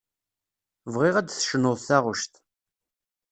Bɣiɣ ad d-tecnuḍ taɣect.